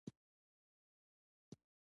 مقالې باید د فرهنګي مطالعاتو اړوند وي.